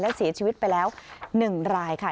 และเสียชีวิตไปแล้ว๑รายค่ะ